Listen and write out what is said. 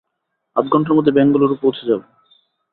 আধঘণ্টার মধ্যে বেঙ্গালুরু পৌছে যাব?